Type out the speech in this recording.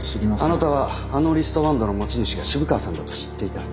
あなたはあのリストバンドの持ち主が渋川さんだと知っていた。